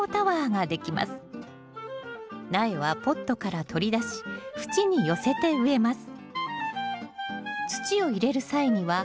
苗はポットから取り出し縁に寄せて植えます。